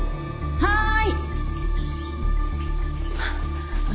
はい。